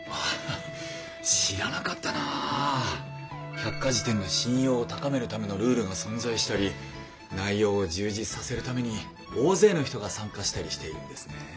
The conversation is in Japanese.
百科事典の信用を高めるためのルールが存在したり内容を充実させるために大勢の人が参加したりしているんですね。